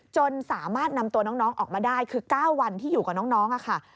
จนสามารถนำตัวน้องออกมาได้คือ๙วันที่อยู่กับน้องค่ะ